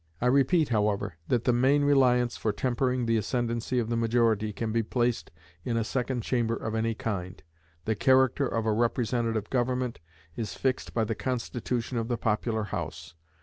I repeat, however, that the main reliance for tempering the ascendancy of the majority can be placed in a Second Chamber of any kind. The character of a representative government is fixed by the constitution of the popular House.